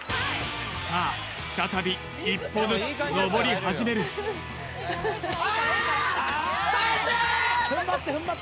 さあ再び一歩ずつのぼり始めるああっ！